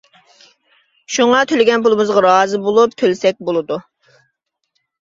شۇڭا تۆلىگەن پۇلىمىزغا رازى بولۇپ تۆلىسەك بولىدۇ.